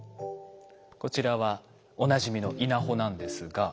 こちらはおなじみの稲穂なんですが。